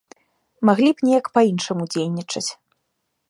Маглі б неяк па-іншаму дзейнічаць.